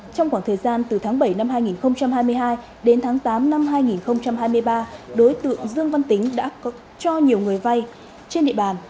trong khoảng thời gian từ tháng bảy năm hai nghìn hai mươi hai đến tháng tám năm hai nghìn hai mươi ba đối tượng dương văn tính đã cho nhiều người vay trên địa bàn